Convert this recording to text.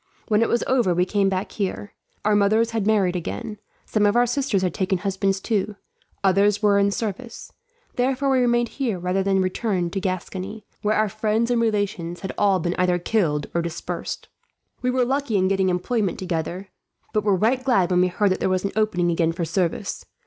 When it was over we came back here. Our mothers had married again. Some of our sisters had taken husbands, too. Others were in service. Therefore we remained here rather than return to Gascony, where our friends and relations had all been either killed or dispersed. "We were lucky in getting employment together, but were right glad when we heard that there was an opening again for service.